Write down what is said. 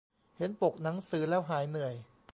เห็นปกหนังสือแล้วหายเหนื่อย